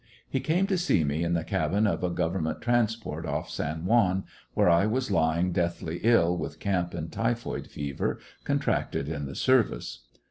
He came to see me in the cabin of a government transport off San Juan, where I was lying deathly ill with camp and typhoid fever, contracted in the service.